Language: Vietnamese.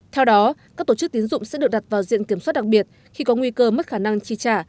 theo đó các tổ chức tín dụng sẽ được đặt vào diện kiểm soát đặc biệt khi có nguy cơ mất khả năng chi trả